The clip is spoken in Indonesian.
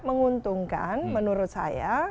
menguntungkan menurut saya